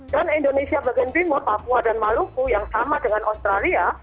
dan indonesia bagian timur papua dan maluku yang sama dengan australia